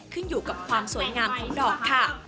ขึ้นอยู่กับความสวยงามของดอกค่ะ